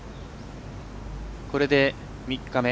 これで、３日目。